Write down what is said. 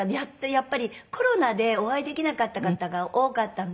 やっぱりコロナでお会いできなかった方が多かったので。